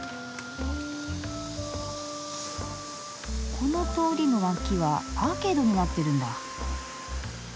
この通りの脇はアーケードになってるんだ。